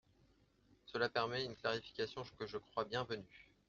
Cela permet une clarification que je crois bienvenue.